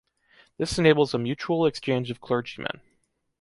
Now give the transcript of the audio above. This enables a mutual exchange of clergymen.